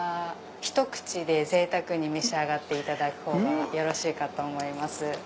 ひと口でぜいたくに召し上がっていただくほうがよろしいかと思います。